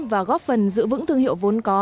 và góp phần giữ vững thương hiệu vốn có